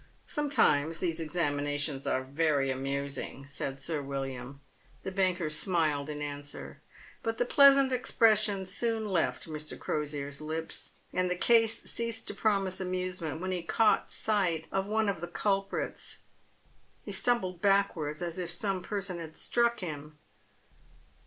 " Sometimes these examinations are very amusing," said Sir "William. The banker smiled in answer. But the pleasant expression soon left Mr. Crosier' s lips, and the case ceased to promise amusement when he caught sight of one of the culprits. He stumbled backwards as if some person had struck him.